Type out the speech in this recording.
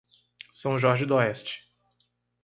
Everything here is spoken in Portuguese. São Jorge d'Oeste